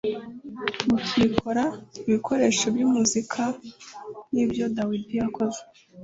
mukikorera ibikoresho by umuzika nk ibyo dawidi yakoze